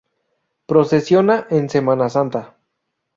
Procesiona en Semana Santa.